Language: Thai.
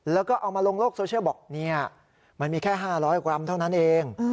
แล้วก็เอามาลงโลกโซเชียลบอกเนี่ยมันมีแค่๕๐๐กรัมเท่านั้นเอง